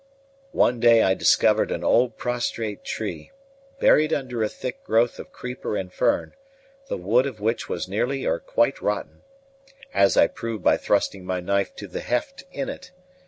One day I discovered an old prostrate tree, buried under a thick growth of creeper and fern, the wood of which was nearly or quite rotten, as I proved by thrusting my knife to the heft in it.